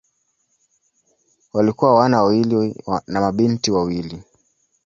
Walikuwa wana wawili na mabinti wawili.